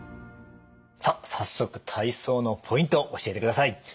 さあ早速体操のポイント教えてください！